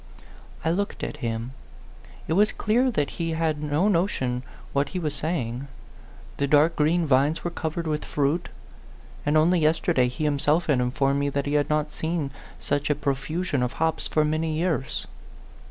I looked at him. It was clear that he had no notion what he was saying. The dark green vines were covered with fruit; and only yesterday he himself had informed me that he had not seen such a profusion of hops for many years.